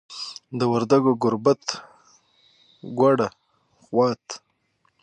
د وردګو ګوربت، ګوډه، خوات